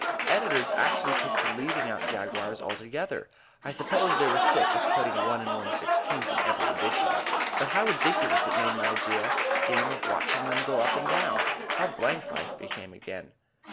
Editors actually took to leaving out Jaguars altogether. I suppose they were sick of putting 1 1/16 in every edition. But how ridiculous it made my idea seem of watching them go up and down! How blank life became again!